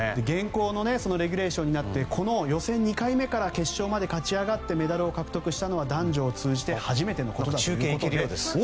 現行のレギュレーションになって予選２回目から決勝に勝ち上がってメダルを獲得したのは男女通じて初めてということです。